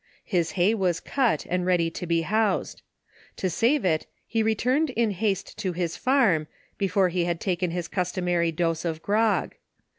His hay was cut, and ready to be housed.. To save it, he returned in haste to his farm, before he had taken his customary dose of grog.